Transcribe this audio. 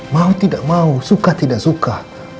mau tidak mau suka tidak suka